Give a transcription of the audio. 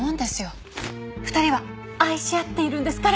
２人は愛し合っているんですから。